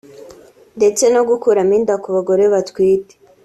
ndetse no gukuramo inda ku bagore batwite